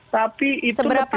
tapi itu lebih bagus karena